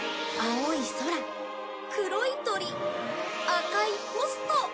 青い空黒い鳥赤いポスト。